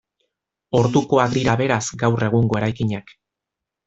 Ordukoak dira beraz gaur egungo eraikinak.